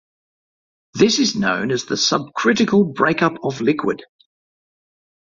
This is known as the subcritical breakup of liquid.